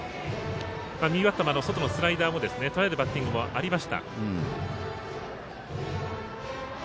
右バッターの外のスライダーをとらえるバッティングもありました。